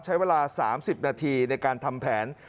ใช้เวลา๓๐นาทีในการทำแผน